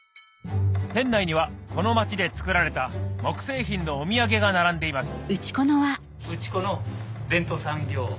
店内にはこの町で作られた木製品のお土産が並んでいます